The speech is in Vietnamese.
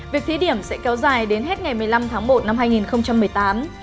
việc thí điểm sẽ kéo dài đến hết ngày một mươi năm tháng một năm hai nghìn một mươi tám